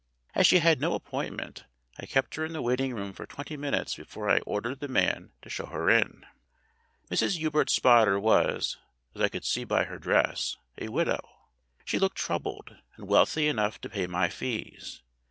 As she had no appointment I kept her in the waiting room for twenty minutes before I ordered the man to show her in. Mrs. Hubert Spotter was, as I could see by her dress, a widow. She looked troubled, and wealthy enough to pay my fees.